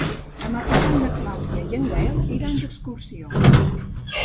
Demà passat na Clàudia i en Gaël iran d'excursió.